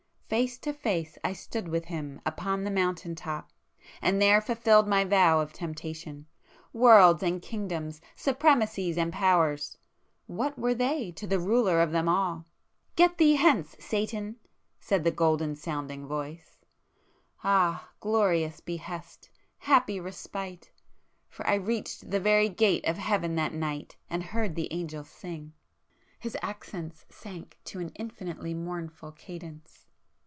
Face to face I stood with Him upon the mountain top, and there fulfilled my vow of temptation. Worlds and kingdoms, supremacies and powers!——what were they to the Ruler of them all! 'Get thee hence, Satan!' said the golden sounding Voice;—ah!—glorious behest!—happy respite!—for I reached the very gate of Heaven that night, and heard the angels sing!" His accents sank to an infinitely mournful cadence.